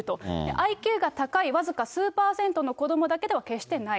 ＩＱが高い僅か数％の子どもだけでは決してない。